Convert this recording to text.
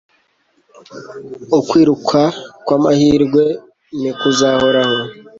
Uku kwiruka kwamahirwe ntikuzahoraho